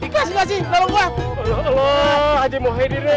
kasih kasih nolong gua